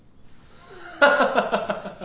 ハハハハ。